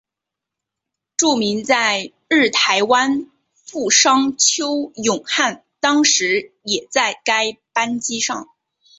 著名在日台湾富商邱永汉当时也在该班机上。